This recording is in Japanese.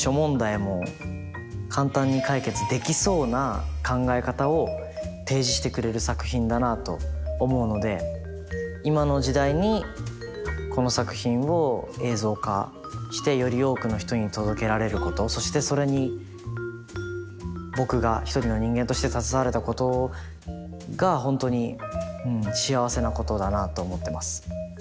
４０年前の作品なのにを提示してくれる作品だなと思うので今の時代にこの作品を映像化してより多くの人に届けられることそしてそれに僕が一人の人間として携われたことが本当に幸せなことだなと思ってます。